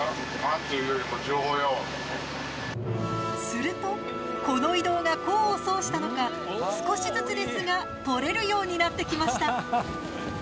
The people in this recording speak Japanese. するとこの移動が功を奏したのか少しずつですが獲れるようになってきました。